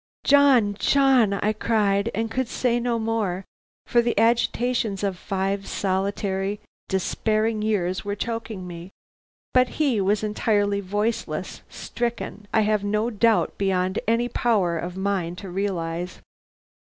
"'John! John!' I cried, and could say no more, for the agitations of five solitary, despairing years were choking me; but he was entirely voiceless, stricken, I have no doubt, beyond any power of mine to realize.